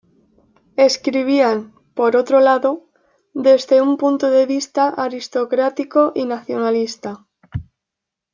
Escribían, por otro lado, desde un punto de vista aristocrático y nacionalista.